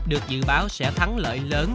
được dự báo sẽ thắng lợi lớn